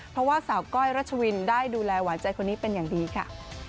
เพราะว่าสาวก้อยรัชวินได้ดูแลหวานใจคนนี้เป็นอย่างดีค่ะ